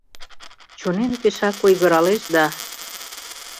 Чонем пешак ойгыралеш да